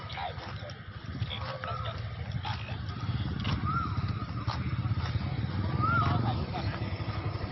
ใช่ครับ